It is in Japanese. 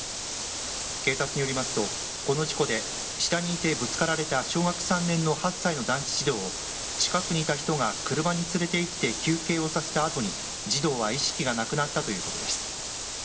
警察によりますと、この事故で下にいてぶつかられた小学３年の８歳の男子児童を近くにいた人が車に連れていって休憩をさせたあとに児童は意識がなくなったということです。